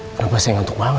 kenapa saya ngantuk banget ya